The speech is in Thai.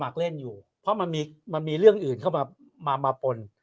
กับสมัครเล่นอยู่เพราะมันมีมันมีเรื่องอื่นเข้ามามามาปน